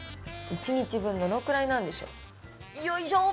１日分、どのくらいなんでしょう？